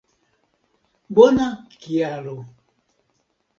Bona kialo